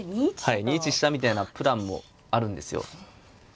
はい２一飛車みたいなプランもあるんですよ。